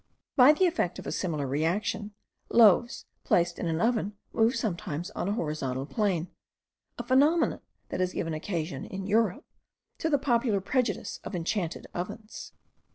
By the effect of a similar reaction, loaves placed in an oven move sometimes on a horizontal plane; a phenomenon that has given occasion, in Europe, to the popular prejudice of enchanted ovens.